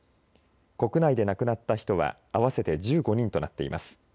国内で亡くなった人は合わせて１５人となっています。